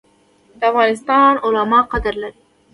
د افغانستان علما قدر لري